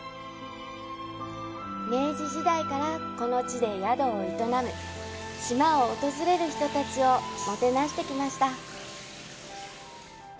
明治時代から、この地で宿を営み島を訪れる人たちをもてなしてきました。